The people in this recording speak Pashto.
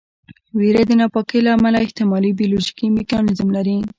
ویره د ناپاکۍ له امله احتمالي بیولوژیکي میکانیزم لري.